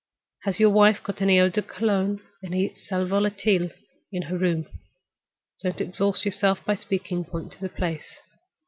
"Has your wife got any eau de cologne, any sal volatile in her room? Don't exhaust yourself by speaking—point to the place!"